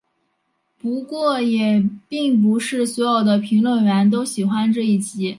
不过也并不是所有的评论员都喜欢这一集。